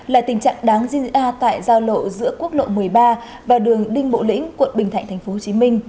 là tình trạng đáng diên ra tại giao lộ giữa quốc lộ một mươi ba và đường đinh bộ lĩnh quận bình thạnh tp hcm